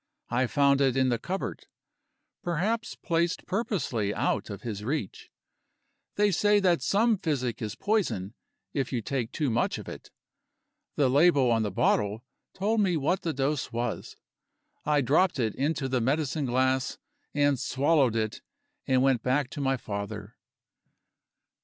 I found it in the cupboard perhaps placed purposely out of his reach. They say that some physic is poison, if you take too much of it. The label on the bottle told me what the dose was. I dropped it into the medicine glass, and swallowed it, and went back to my father.